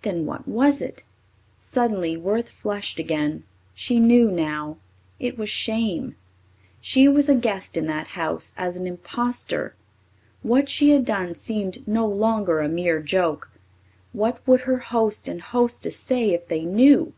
Then what was it? Suddenly Worth flushed again. She knew now it was shame. She was a guest in that house as an impostor! What she had done seemed no longer a mere joke. What would her host and hostess say if they knew?